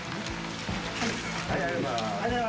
ありがとうございます。